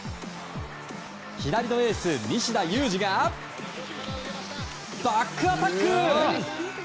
左のエース、西田有志がバックアタック！